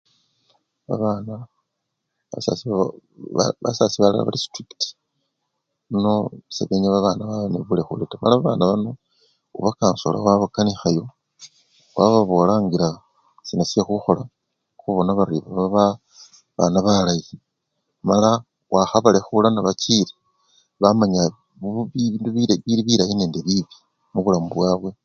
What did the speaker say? Babana, basasi-beba basasi balala bali strict nono sebenya babana babwe baba balekhule taa, mala babana bano khubakansola khwabakanikhayo, khwababolangila siina shekhukhola khubona bari baba babana balayi mala wakhabalekhula nebachile, bamanya bili bilayi nende bili biibi mubulamu bwabwe